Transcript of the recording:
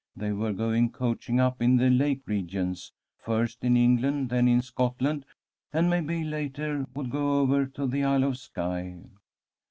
They were going coaching up in the lake regions, first in England, then in Scotland, and maybe later would go over to the Isle of Skye.